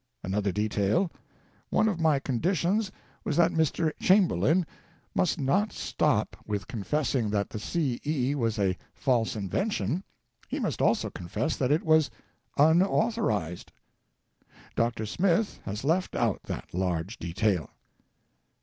Another detail : one of my conditions was that TO MY MISSIONARY CRITICS. 525 Mr. Chamberlain must not stop with confessing that the C. E. was a "false invention/5 he must also confess that it was "unau thorized" Dr. Smith has left out that large detail.